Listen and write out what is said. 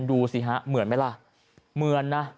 ดูสิฮะเหมือนไหมล่ะเหมือนนะ